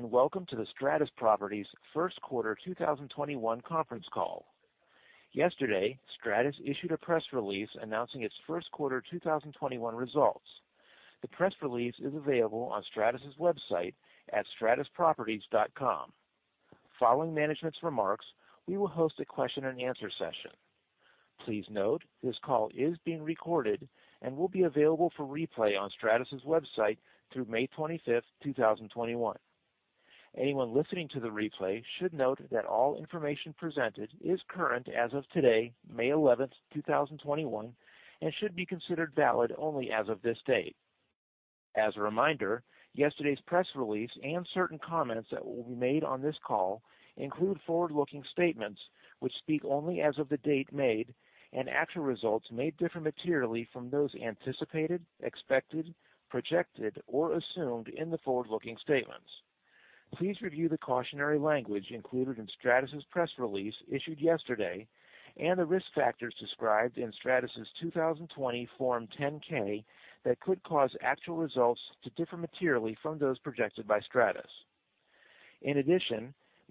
Welcome to the Stratus Properties First Quarter 2021 Conference Call. Yesterday, Stratus issued a press release announcing its first quarter 2021 results. The press release is available on stratusproperties.com. Following management's remarks, we will host a question-and-answer session. Please note, this call is being recorded and will be available for replay on Stratus's website through May 25th, 2021. Anyone listening to the replay should note that all information presented is current as of today, May 11th, 2021, and should be considered valid only as of this date. As a reminder, yesterday's press release and certain comments that will be made on this call include forward-looking statements which speak only as of the date made, and actual results may differ materially from those anticipated, expected, projected, or assumed in the forward-looking statements. Please review the cautionary language included in Stratus's press release issued yesterday and the risk factors described in Stratus's 2020 Form 10-K that could cause actual results to differ materially from those projected by Stratus.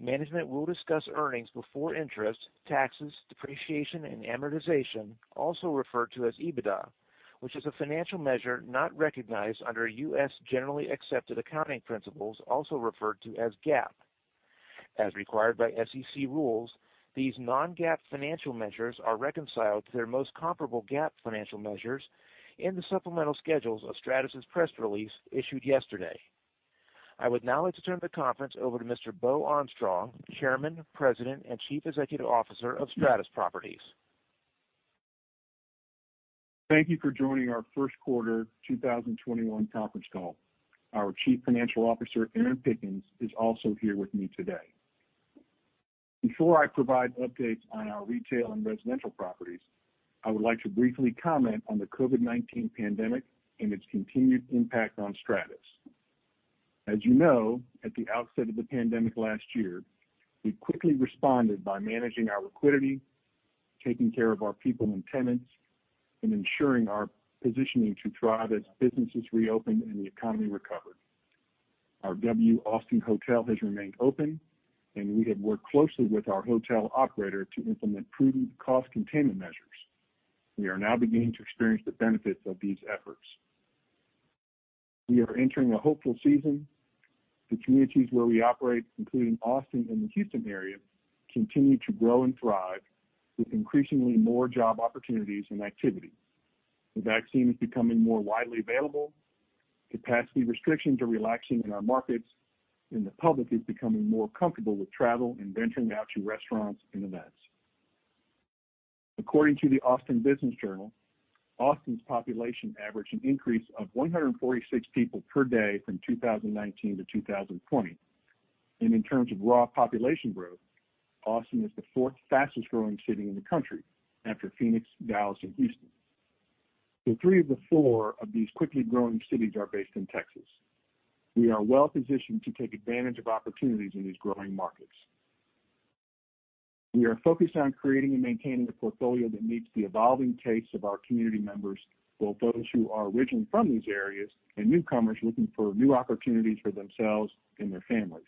Management will discuss earnings before interest, taxes, depreciation, and amortization, also referred to as EBITDA, which is a financial measure not recognized under U.S. generally accepted accounting principles, also referred to as GAAP. As required by SEC rules, these non-GAAP financial measures are reconciled to their most comparable GAAP financial measures in the supplemental schedules of Stratus's press release issued yesterday. I would now like to turn the conference over to Mr. Beau Armstrong, Chairman, President, and Chief Executive Officer of Stratus Properties. Thank you for joining our first quarter 2021 conference call. Our Chief Financial Officer, Erin D. Pickens, is also here with me today. Before I provide updates on our retail and residential properties, I would like to briefly comment on the COVID-19 pandemic and its continued impact on Stratus. As you know, at the outset of the pandemic last year, we quickly responded by managing our liquidity, taking care of our people and tenants, and ensuring our positioning to thrive as businesses reopened and the economy recovered. Our W Austin hotel has remained open, and we have worked closely with our hotel operator to implement prudent cost containment measures. We are now beginning to experience the benefits of these efforts. We are entering a hopeful season. The communities where we operate, including Austin and the Houston area, continue to grow and thrive with increasingly more job opportunities and activity. The vaccine is becoming more widely available. Capacity restrictions are relaxing in our markets, and the public is becoming more comfortable with travel and venturing out to restaurants and events. According to the Austin Business Journal, Austin's population averaged an increase of 146 people per day from 2019 to 2020. In terms of raw population growth, Austin is the fourth fastest growing city in the country after Phoenix, Dallas, and Houston. Three of the four of these quickly growing cities are based in Texas. We are well positioned to take advantage of opportunities in these growing markets. We are focused on creating and maintaining a portfolio that meets the evolving tastes of our community members, both those who are originally from these areas and newcomers looking for new opportunities for themselves and their families.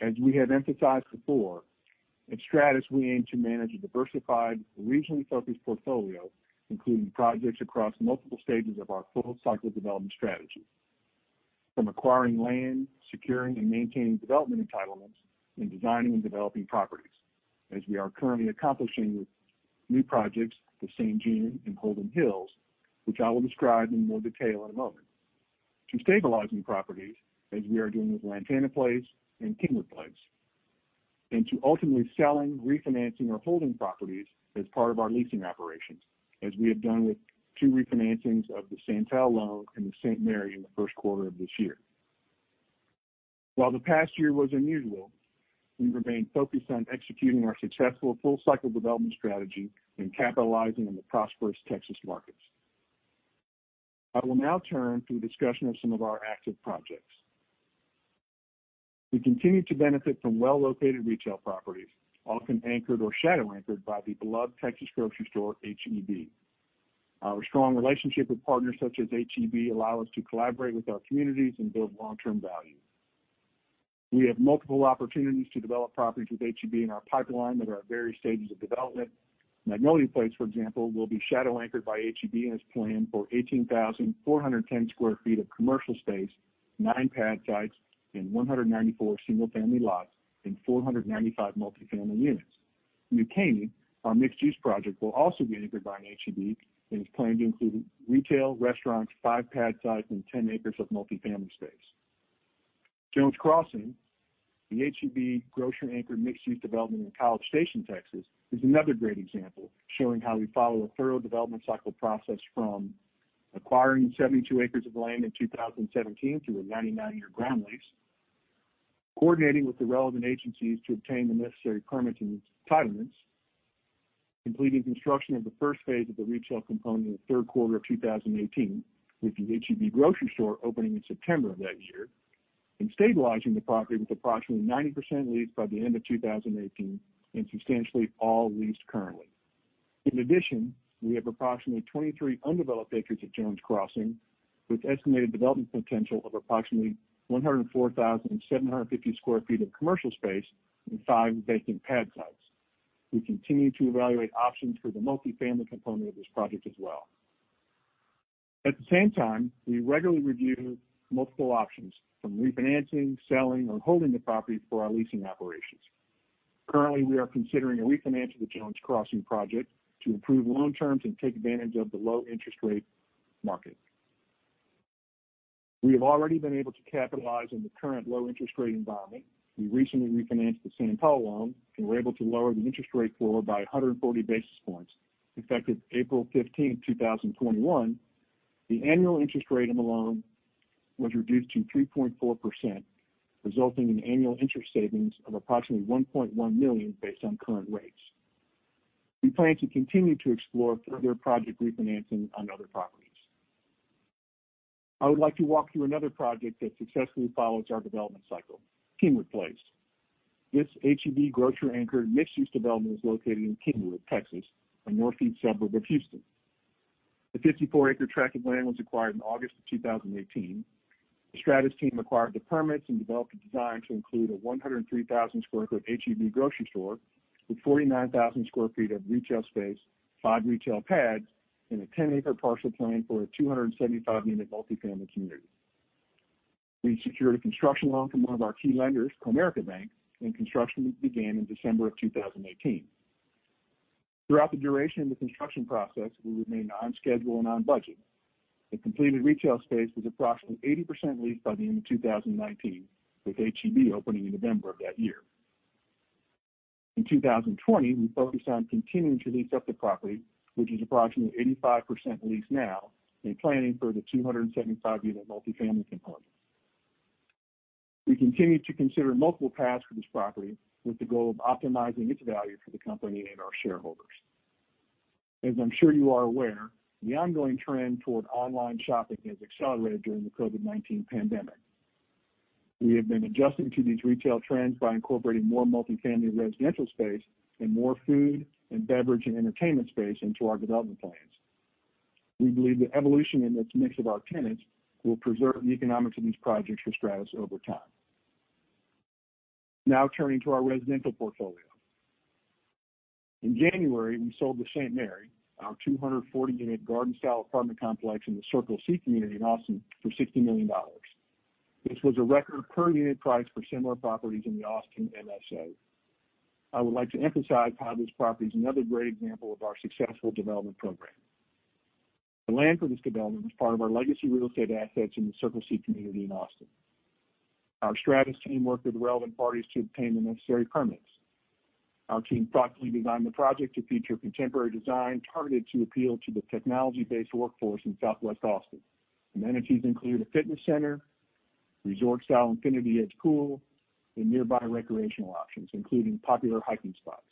As we have emphasized before, at Stratus, we aim to manage a diversified, regionally focused portfolio, including projects across multiple stages of our full-cycle development strategy. From acquiring land, securing and maintaining development entitlements, and designing and developing properties, as we are currently accomplishing with new projects, The Saint June and Holden Hills, which I will describe in more detail in a moment. To stabilizing properties, as we are doing with Lantana Place and Kingwood Place, and to ultimately selling, refinancing, or holding properties as part of our leasing operations, as we have done with two refinancings of The Santal Loan and the St. Mary in the first quarter of this year. While the past year was unusual, we remain focused on executing our successful full-cycle development strategy and capitalizing on the prosperous Texas markets. I will now turn to a discussion of some of our active projects. We continue to benefit from well-located retail properties, often anchored or shadow anchored by the beloved Texas grocery store, H-E-B. Our strong relationship with partners such as H-E-B allow us to collaborate with our communities and build long-term value. We have multiple opportunities to develop properties with H-E-B in our pipeline that are at various stages of development. Magnolia Place, for example, will be shadow anchored by H-E-B and is planned for 18,410 sq ft of commercial space, nine pad sites, and 194 single-family lots, and 495 multifamily units. New Caney, our mixed-use project, will also be anchored by an H-E-B and is planned to include retail, restaurants, five pad sites, and 10 acres of multifamily space. Jones Crossing, the H-E-B grocery anchored mixed-use development in College Station, Texas, is another great example, showing how we follow a thorough development cycle process from acquiring 72 acres of land in 2017 through a 99-year ground lease, coordinating with the relevant agencies to obtain the necessary permits and entitlements, completing construction of the first phase of the retail component in the third quarter of 2018, with the H-E-B grocery store opening in September of that year, and stabilizing the property with approximately 90% leased by the end of 2018 and substantially all leased currently. In addition, we have approximately 23 undeveloped acres at Jones Crossing, with estimated development potential of approximately 104,750 square feet of commercial space and five vacant pad sites. We continue to evaluate options for the multifamily component of this project as well. At the same time, we regularly review multiple options from refinancing, selling, or holding the property for our leasing operations. Currently, we are considering a refinance of the Jones Crossing project to improve loan terms and take advantage of the low interest rate market. We have already been able to capitalize on the current low interest rate environment. We recently refinanced the Santal, and were able to lower the interest rate for it by 140 basis points. Effective April 15th, 2021, the annual interest rate on the loan was reduced to 3.4%, resulting in annual interest savings of approximately $1.1 million based on current rates. We plan to continue to explore further project refinancing on other properties. I would like to walk through another project that successfully follows our development cycle, Kingwood Place. This H-E-B grocery anchored mixed-use development is located in Kingwood, Texas, a northeast suburb of Houston. The 54-acre tract of land was acquired in August of 2018. The Stratus team acquired the permits and developed a design to include a 103,000 sq ft H-E-B grocery store with 49,000 square feet of retail space, five retail pads, and a 10-acre parcel planned for a 275-unit multifamily community. We secured a construction loan from one of our key lenders, Comerica Bank, and construction began in December of 2018. Throughout the duration of the construction process, we remained on schedule and on budget. The completed retail space was approximately 80% leased by the end of 2019, with H-E-B opening in November of that year. In 2020, we focused on continuing to lease up the property, which is approximately 85% leased now, and planning for the 275-unit multifamily component. We continue to consider multiple paths for this property with the goal of optimizing its value for the company and our shareholders. As I'm sure you are aware, the ongoing trend toward online shopping has accelerated during the COVID-19 pandemic. We have been adjusting to these retail trends by incorporating more multifamily residential space and more food and beverage and entertainment space into our development plans. We believe the evolution in the mix of our tenants will preserve the economics of these projects for Stratus over time. Turning to our residential portfolio. In January, we sold the St. Mary, our 240-unit garden-style apartment complex in the Circle C community in Austin, for $60 million. This was a record per-unit price for similar properties in the Austin MSA. I would like to emphasize how this property is another great example of our successful development program. The land for this development was part of our legacy real estate assets in the Circle C community in Austin. Our Stratus team worked with relevant parties to obtain the necessary permits. Our team thoughtfully designed the project to feature contemporary design targeted to appeal to the technology-based workforce in Southwest Austin. Amenities include a fitness center, resort-style infinity edge pool, and nearby recreational options, including popular hiking spots,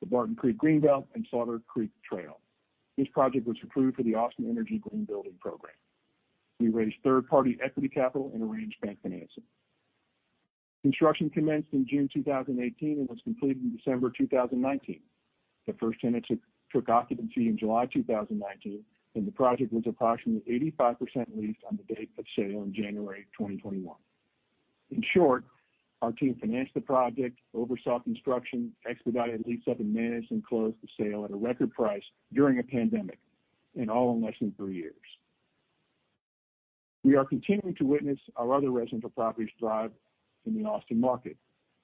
the Barton Creek Greenbelt, and Slaughter Creek Trail. This project was approved for the Austin Energy Green Building program. We raised third-party equity capital and arranged bank financing. Construction commenced in June 2018 and was completed in December 2019. The first tenants took occupancy in July 2019, and the project was approximately 85% leased on the date of sale in January 2021. In short, our team financed the project, oversaw construction, expedited lease up, and managed and closed the sale at a record price during a pandemic, and all in less than three years. We are continuing to witness our other residential properties thrive in the Austin market.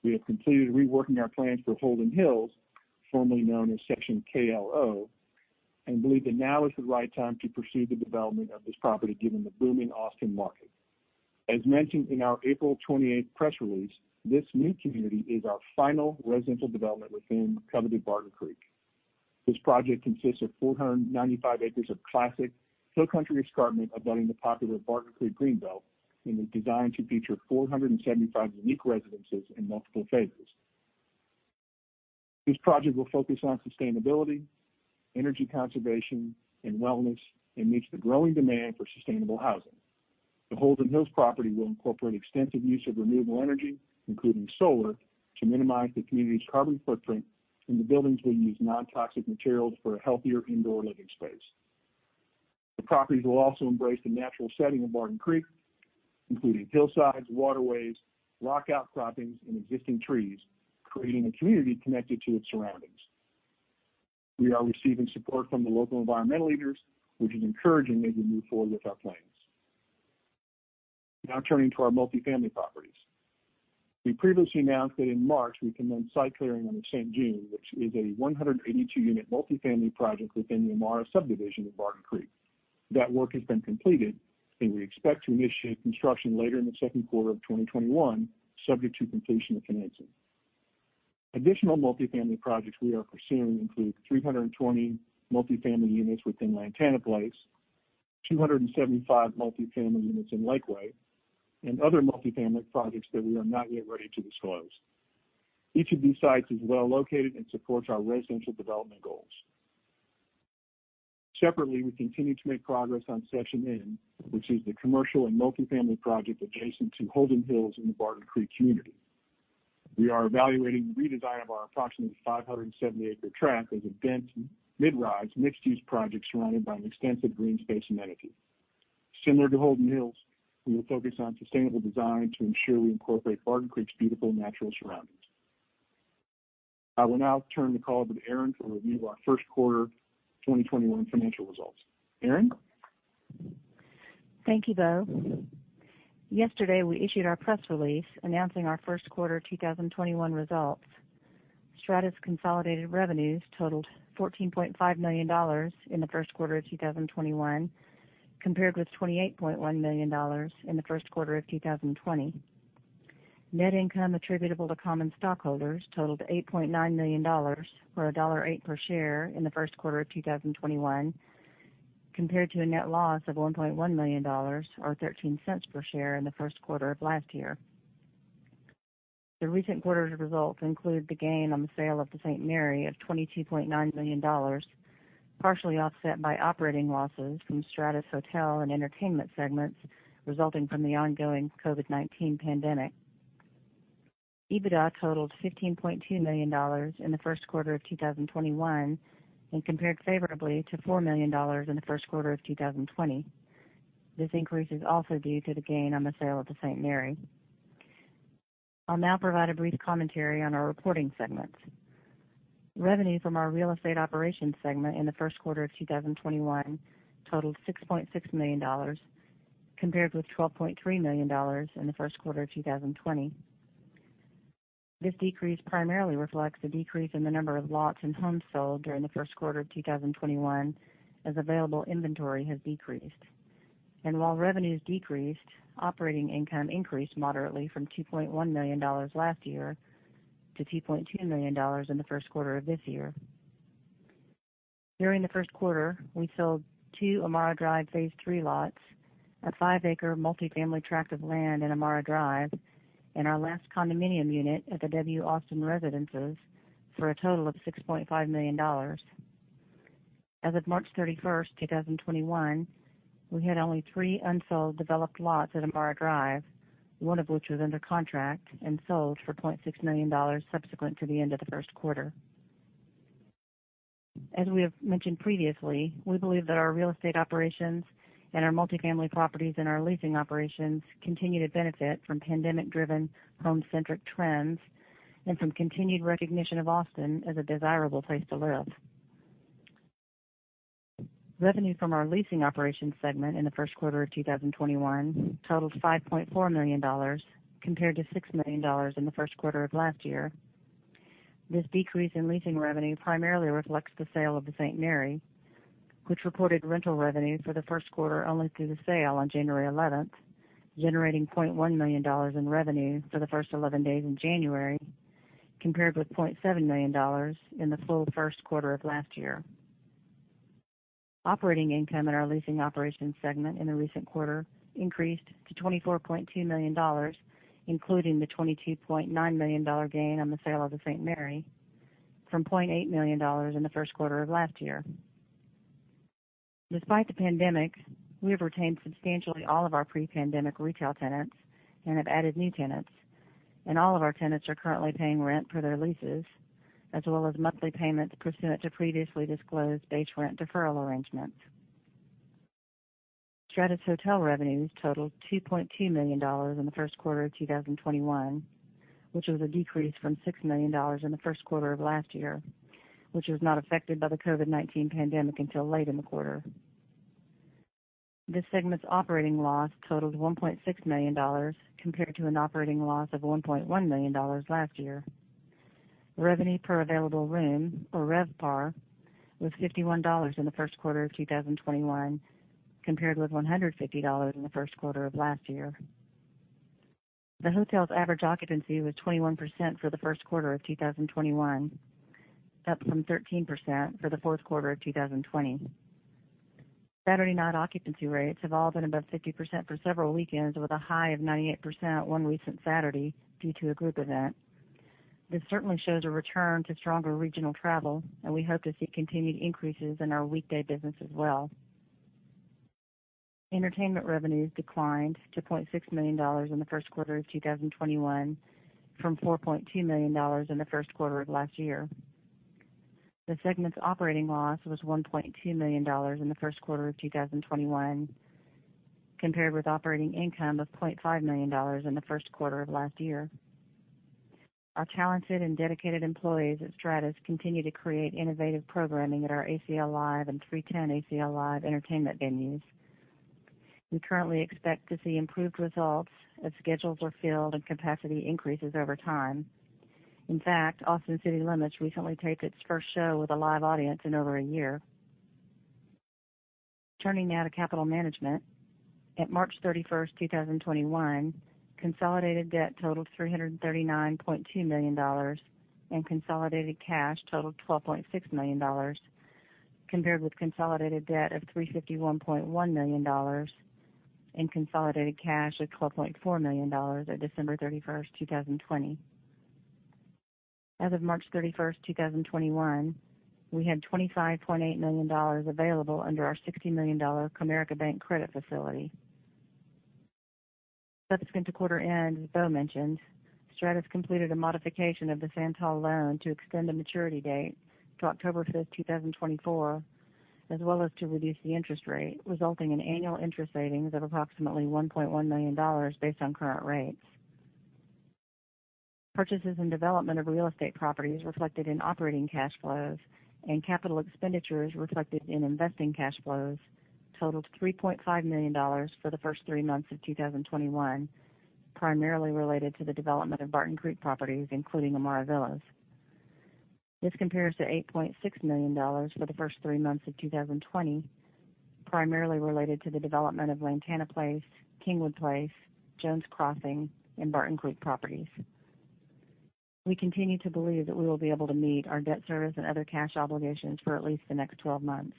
We have completed reworking our plans for Holden Hills, formerly known as Section KLO, and believe that now is the right time to pursue the development of this property given the booming Austin market. As mentioned in our April 28th press release, this new community is our final residential development within coveted Barton Creek. This project consists of 495 acres of classic hill country escarpment abutting the popular Barton Creek Greenbelt, and is designed to feature 475 unique residences in multiple phases. This project will focus on sustainability, energy conservation, and wellness, and meets the growing demand for sustainable housing. The Holden Hills property will incorporate extensive use of renewable energy, including solar, to minimize the community's carbon footprint, and the buildings will use non-toxic materials for a healthier indoor living space. The properties will also embrace the natural setting of Barton Creek, including hillsides, waterways, rock outcroppings, and existing trees, creating a community connected to its surroundings. We are receiving support from the local environmental leaders, which is encouraging as we move forward with our plans. Turning to our multifamily properties. We previously announced that in March we commenced site clearing on the Saint June, which is a 182-unit multifamily project within the Amarra subdivision of Barton Creek. That work has been completed, and we expect to initiate construction later in the second quarter of 2021, subject to completion of financing. Additional multifamily projects we are pursuing include 320 multifamily units within Lantana Place, 275 multifamily units in Lakeway, and other multifamily projects that we are not yet ready to disclose. Each of these sites is well located and supports our residential development goals. Separately, we continue to make progress on Section N, which is the commercial and multifamily project adjacent to Holden Hills in the Barton Creek community. We are evaluating the redesign of our approximately 570-acre tract as a dense mid-rise mixed-use project surrounded by an extensive green space amenity. Similar to Holden Hills, we will focus on sustainable design to ensure we incorporate Barton Creek's beautiful natural surroundings. I will now turn the call over to Erin for a review of our first quarter 2021 financial results. Erin? Thank you, Beau. Yesterday, we issued our press release announcing our first quarter 2021 results. Stratus consolidated revenues totaled $14.5 million in the first quarter of 2021, compared with $28.1 million in the first quarter of 2020. Net income attributable to common stockholders totaled $8.9 million, or $1.08 per share in the first quarter of 2021, compared to a net loss of $1.1 million, or $0.13 per share in the first quarter of last year. The recent quarter's results include the gain on the sale of The St. Mary of $22.9 million, partially offset by operating losses from Stratus Hotel and Entertainment segments, resulting from the ongoing COVID-19 pandemic. EBITDA totaled $15.2 million in the first quarter of 2021 and compared favorably to $4 million in the first quarter of 2020. This increase is also due to the gain on the sale of The St. Mary. I'll now provide a brief commentary on our reporting segments. Revenue from our real estate operations segment in the first quarter of 2021 totaled $6.6 million, compared with $12.3 million in the first quarter of 2020. This decrease primarily reflects the decrease in the number of lots and homes sold during the first quarter of 2021, as available inventory has decreased. While revenues decreased, operating income increased moderately from $2.1 million last year to $2.2 million in the first quarter of this year. During the first quarter, we sold two Amarra Drive phase III lots, a five-acre multifamily tract of land in Amarra Drive, and our last condominium unit at the W Austin Residences for a total of $6.5 million. As of March 31st, 2021, we had only three unsold developed lots at Amarra Drive, one of which was under contract and sold for $0.6 million subsequent to the end of the first quarter. As we have mentioned previously, we believe that our real estate operations and our multifamily properties in our leasing operations continue to benefit from pandemic-driven home-centric trends and from continued recognition of Austin as a desirable place to live. Revenue from our leasing operations segment in the first quarter of 2021 totaled $5.4 million, compared to $6 million in the first quarter of last year. This decrease in leasing revenue primarily reflects the sale of The St. Mary, which reported rental revenue for the first quarter only through the sale on January 11th, generating $0.1 million in revenue for the first 11 days in January, compared with $0.7 million in the full first quarter of last year. Operating income in our leasing operations segment in the recent quarter increased to $24.2 million, including the $22.9 million gain on the sale of The St. Mary from $0.8 million in the first quarter of last year. Despite the pandemic, we have retained substantially all of our pre-pandemic retail tenants and have added new tenants, and all of our tenants are currently paying rent per their leases, as well as monthly payments pursuant to previously disclosed base rent deferral arrangements. Stratus Hotel revenues totaled $2.2 million in the first quarter of 2021, which was a decrease from $6 million in the first quarter of last year, which was not affected by the COVID-19 pandemic until late in the quarter. This segment's operating loss totaled $1.6 million compared to an operating loss of $1.1 million last year. Revenue per available room, or RevPAR, was $51 in the first quarter of 2021, compared with $150 in the first quarter of last year. The hotel's average occupancy was 21% for the first quarter of 2021, up from 13% for the fourth quarter of 2020. Saturday night occupancy rates have all been above 50% for several weekends, with a high of 98% one recent Saturday due to a group event. This certainly shows a return to stronger regional travel, and we hope to see continued increases in our weekday business as well. Entertainment revenues declined to $0.6 million in the first quarter of 2021 from $4.2 million in the first quarter of last year. The segment's operating loss was $1.2 million in the first quarter of 2021, compared with operating income of $0.5 million in the first quarter of last year. Our talented and dedicated employees at Stratus continue to create innovative programming at our ACL Live and 3TEN ACL Live entertainment venues. We currently expect to see improved results as schedules are filled and capacity increases over time. In fact, Austin City Limits recently taped its first show with a live audience in over a year. Turning now to capital management. At March 31st, 2021, consolidated debt totaled $339.2 million, and consolidated cash totaled $12.6 million, compared with consolidated debt of $351.1 million and consolidated cash of $12.4 million at December 31st, 2020. As of March 31st, 2021, we had $25.8 million available under our $60 million Comerica Bank credit facility. Subsequent to quarter end, as Beau mentioned, Stratus completed a modification of The Santal loan to extend the maturity date to October 5th, 2024, as well as to reduce the interest rate, resulting in annual interest savings of approximately $1.1 million based on current rates. Purchases and development of real estate properties reflected in operating cash flows and capital expenditures reflected in investing cash flows totaled $3.5 million for the first three months of 2021, primarily related to the development of Barton Creek properties, including Amarra Villas. This compares to $8.6 million for the first three months of 2020, primarily related to the development of Lantana Place, Kingwood Place, Jones Crossing, and Barton Creek properties. We continue to believe that we will be able to meet our debt service and other cash obligations for at least the next 12 months.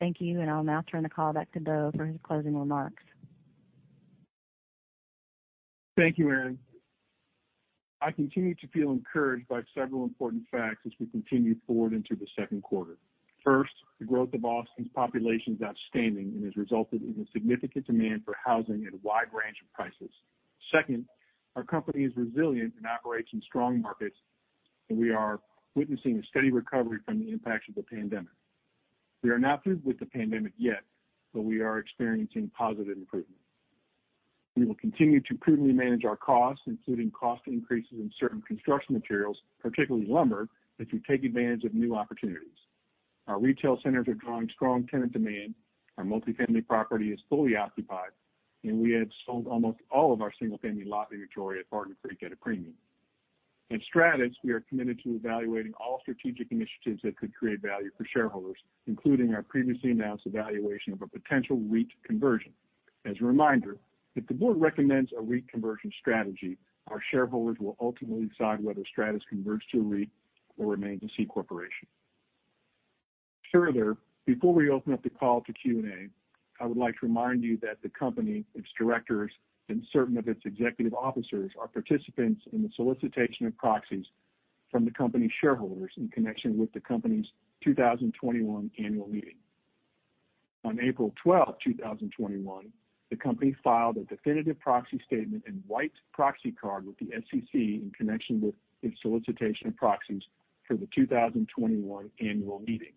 Thank you, and I'll now turn the call back to Beau for his closing remarks. Thank you, Erin. I continue to feel encouraged by several important facts as we continue forward into the second quarter. First, the growth of Austin's population is outstanding and has resulted in a significant demand for housing at a wide range of prices. Second, our company is resilient and operates in strong markets, and we are witnessing a steady recovery from the impacts of the pandemic. We are not through with the pandemic yet, but we are experiencing positive improvements. We will continue to prudently manage our costs, including cost increases in certain construction materials, particularly lumber, as we take advantage of new opportunities. Our retail centers are drawing strong tenant demand, our multifamily property is fully occupied, and we have sold almost all of our single-family lot inventory at Barton Creek at a premium. At Stratus, we are committed to evaluating all strategic initiatives that could create value for shareholders, including our previously announced evaluation of a potential REIT conversion. As a reminder, if the board recommends a REIT conversion strategy, our shareholders will ultimately decide whether Stratus converts to a REIT or remains a C corporation. Before we open up the call to Q&A, I would like to remind you that the company, its directors, and certain of its executive officers are participants in the solicitation of proxies from the company's shareholders in connection with the company's 2021 annual meeting. On April 12, 2021, the company filed a definitive proxy statement and white proxy card with the SEC in connection with its solicitation of proxies for the 2021 annual meeting.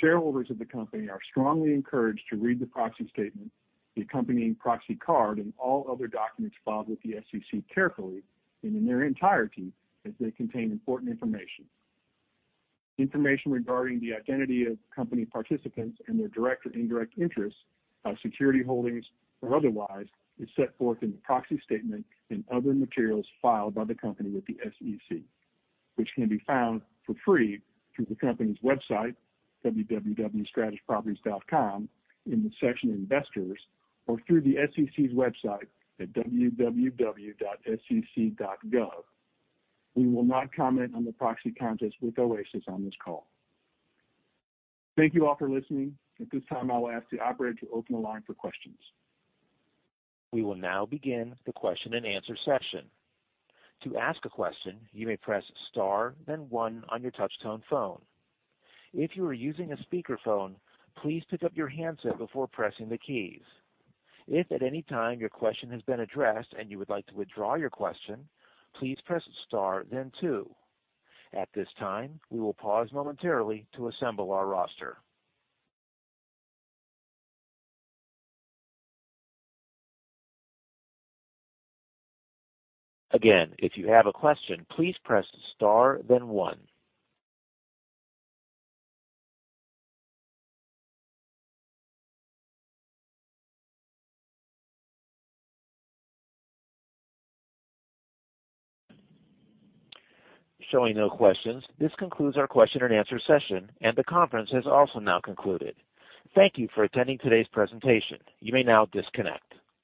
Shareholders of the company are strongly encouraged to read the proxy statement, the accompanying proxy card, and all other documents filed with the SEC carefully and in their entirety, as they contain important information. Information regarding the identity of company participants and their direct or indirect interests, security holdings, or otherwise is set forth in the proxy statement and other materials filed by the company with the SEC, which can be found for free through the company's website, stratusproperties.com, in the section Investors, or through the SEC's website at sec.gov. We will not comment on the proxy contest with Oasis on this call. Thank you all for listening. At this time, I will ask the operator to open the line for questions. We will now begin the question-and-answer session. To ask a question, you may press star then one on your touchtone phone. If you are using a speakerphone, please pick up your handset before pressing the keys. If at any time your question has been addressed and you would like to withdraw your question, please press star then two. At this time, we will pause momentarily to assemble our roster. Again, if you have a question, please press star then one. Showing no questions. This concludes our question-and-answer session, and the conference has also now concluded. Thank you for attending today's presentation. You may now disconnect.